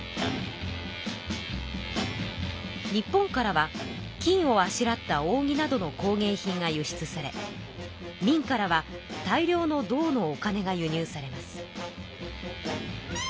日本からは金をあしらったおうぎなどの工芸品が輸出され明からは大量の銅のお金が輸入されます。